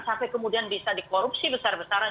sampai kemudian bisa dikorupsi besar besaran